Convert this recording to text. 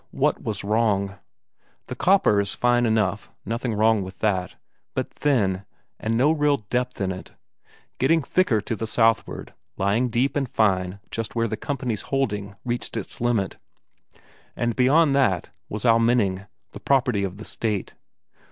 What was wrong? The copper is fine enough, nothing wrong with that, but thin, and no real depth in it; getting thicker to the southward, lying deep and fine just where the company's holding reached its limit and beyond that was Almenning, the property of the State.